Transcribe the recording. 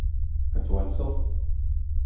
Ad t-twanseḍ?